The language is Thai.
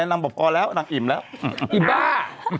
พอแล้วนางบอกพอแล้วนางอิ่มแล้วอิ่มบ้า